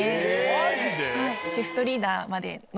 マジで？